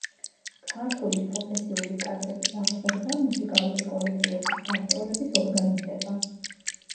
ქართული პროფესიული კადრების აღზრდა, მუსიკალური კოლექტივების გასტროლების ორგანიზება.